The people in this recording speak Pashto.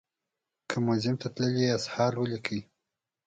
که موزیم ته تللي یاست حال ولیکئ.